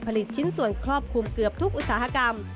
ชิ้นส่วนครอบคลุมเกือบทุกอุตสาหกรรม